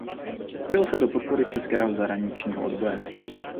Zapojil se do podpory českého zahraničního odboje.